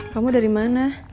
kamu dari mana